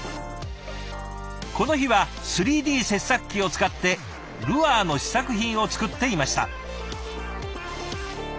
この日は３Ｄ切削機を使ってルアーの試作品を作っていました。